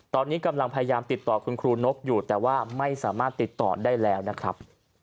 ตอนนี้กำลังพยายามติดต่อคุณครูนกอยู่แต่ว่าไม่สามารถติดต่อได้แล้วนะครับ